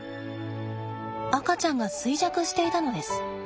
赤ちゃんが衰弱していたのです。